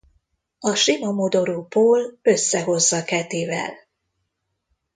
A sima modorú Paul összehozza Kathyval.